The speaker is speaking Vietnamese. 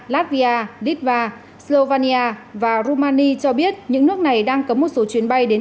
latvia lithuania slovenia và rumania cho biết những nước này đang cấm một số chuyến bay đến